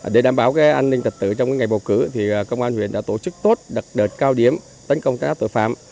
để đảm bảo an ninh trật tự trong ngày bầu cử công an huyện đã tổ chức tốt đợt đợt cao điểm tấn công các áp tội phạm